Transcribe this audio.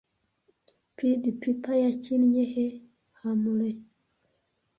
Pied Piper yakinnye he Hamlin